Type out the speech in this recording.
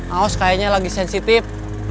aus kayaknya lagi sensitif